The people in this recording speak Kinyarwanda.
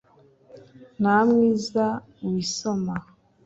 Nta mwiza wisoma